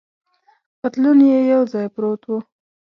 پتلون یې یو ځای پروت و.